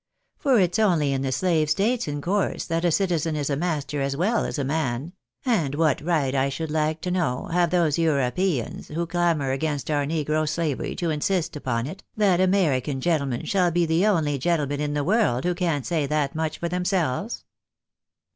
For it's only in the slave states, in course, that a citizen is a master as well as a man ; and what right, I should like to know, have those Europeyans, who clamour against our negro slavery, to insist upon it, that American gentlemen shall be the only gentlemen in the world who can't say that much for themselves